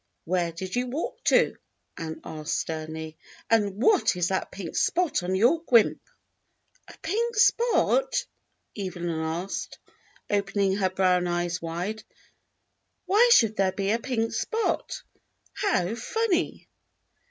"Where did you walk to.'^" Ann asked sternly, "and what is that pink spot on your guimpe.?" "A pink spot.?" Evelyn asked, opening her brown eyes wide. "Why should there be a pink spot? How funny!"